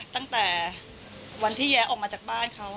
ตั้งแต่วันที่แย้ออกมาจากบ้านเขา